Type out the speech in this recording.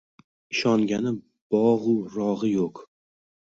Ishongani bogu rogi yuq